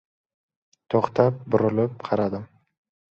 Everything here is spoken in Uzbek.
To‘xtab, burilib qaradim.